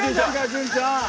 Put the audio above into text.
潤ちゃん。